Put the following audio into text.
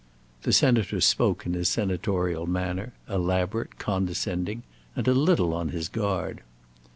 The Senator spoke in his senatorial manner, elaborate, condescending, and a little on his guard.